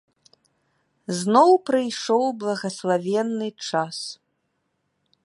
Зноў прыйшоў благаславенны час.